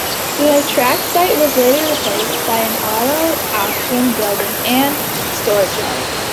The track site was later replaced by an auto auction building and storageyard.